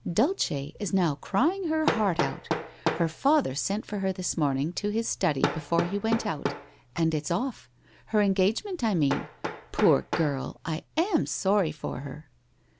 ' Dulce is now crying her heart out. Her father sent for her this morning to his study before he went out, and it's off. Her engagement, I mean. Poor girl! I am sorry for her.'